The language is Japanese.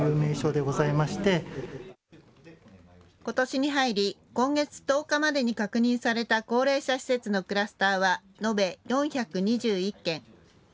ことしに入り、今月１０日までに確認された高齢者施設のクラスターは延べ４２１件。